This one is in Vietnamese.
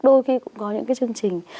đôi khi cũng có những cái chương trình